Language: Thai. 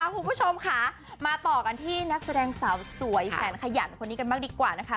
คุณผู้ชมค่ะมาต่อกันที่นักแสดงสาวสวยแสนขยันคนนี้กันบ้างดีกว่านะคะ